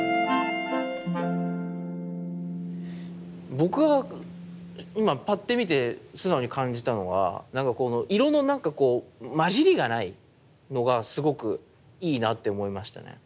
僕は今パッて見て素直に感じたのはなんかこの色のなんかこう混じりがないのがすごくいいなって思いましたね。